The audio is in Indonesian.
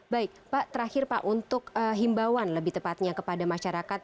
baik pak terakhir pak untuk himbauan lebih tepatnya kepada masyarakat